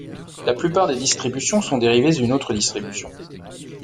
La plupart des distributions sont dérivées d'une autre distribution.